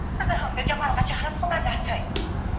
• خپل رازونه له چا سره مه شریکوه.